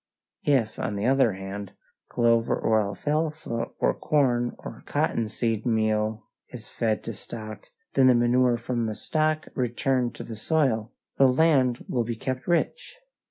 If, on the other hand, clover or alfalfa or corn or cotton seed meal is fed to stock, and the manure from the stock returned to the soil, the land will be kept rich.